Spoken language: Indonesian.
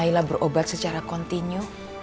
nailah berobat secara kontinu